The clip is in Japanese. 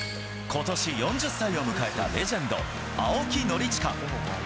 ことし、４０歳を迎えたレジェンド、青木宣親。